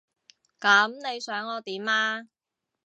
噉你想我點啊？